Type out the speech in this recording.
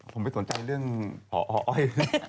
ผมไม่สนใจเรื่องพออ้อย